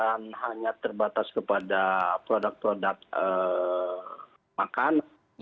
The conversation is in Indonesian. dan hanya terbatas kepada produk produk makanan